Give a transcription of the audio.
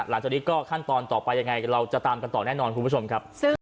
หลังจากนี้ก็ขั้นตอนต่อไปยังไงเราจะตามกันต่อแน่นอนคุณผู้ชมครับ